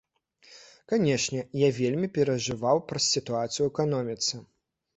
Канечне, я вельмі перажываў праз сітуацыю ў эканоміцы.